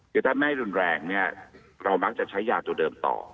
คือถ้าไม่รุนแรงเนี่ยเรามักจะใช้ยาตัวเดิมต่อ